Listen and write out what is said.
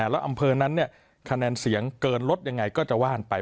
แล้วอำเภอนั้นคะแนนเสียงเกินลดยังไงก็จะว่านไป